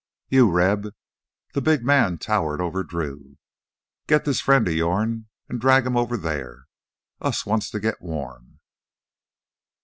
"You, Reb" the big man towered over Drew "git this friend o' yourn an' drag him over thar. Us wants to git warm."